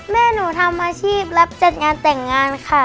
แม่หนูทำอาชีพรับจัดงานแต่งงานค่ะ